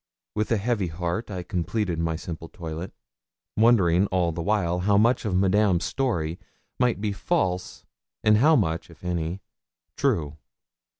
With a heavy heart I completed my simple toilet, wondering all the while how much of Madame's story might be false and how much, if any, true.